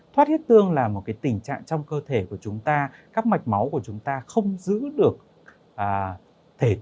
thoát huyết tương là một tình trạng trong cơ thể của chúng ta các mạch máu của chúng ta không giữ được thể